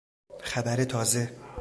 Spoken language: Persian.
خبر تازه